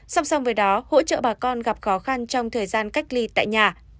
song song với đó hỗ trợ bà con gặp khó khăn trong thời gian cách ly tại nhà